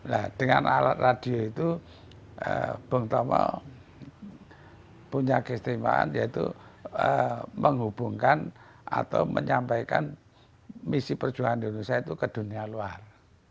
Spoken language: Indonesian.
nah dengan alat radio itu bung tomo punya kesetimaan yaitu menghubungkan atau menyampaikan misi perjuangan di indonesia itu ke dunia luar